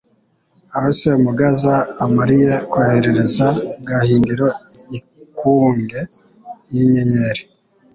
Aho Semugaza amariye koherereza Gahindiro Ikunge n'Inyenyeli,